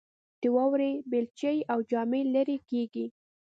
د واورې بیلچې او جامې لیرې کیږي